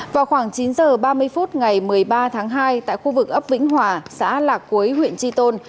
vào khoảng chín h ba mươi phút ngày một mươi ba tháng hai tại khu vực ấp vĩnh hòa xã lạc quế huyện tri tôn